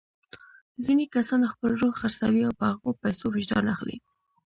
ځینې کسان خپل روح خرڅوي او په هغو پیسو وجدان اخلي.